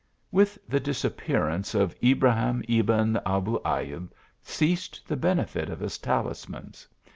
With the disappearance of Ibrahim Ebn Abu Ayub ceased the benefit of his talismans.